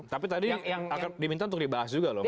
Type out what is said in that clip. tapi tadi diminta untuk dibahas juga loh